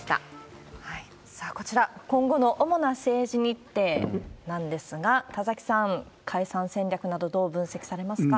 さあ、こちら、今後の主な政治日程なんですが、田崎さん、解散戦略など、どう分析されますか？